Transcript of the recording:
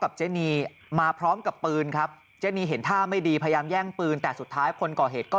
เจนีมาพร้อมกับปืนครับเจนีเห็นท่าไม่ดีพยายามแย่งปืนแต่สุดท้ายคนก่อเหตุก็